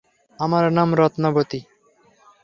আমার নাম রত্নাবতী।